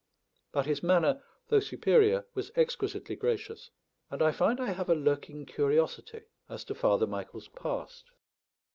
But his manner, though superior, was exquisitely gracious; and I find I have a lurking curiosity as to Father Michael's past.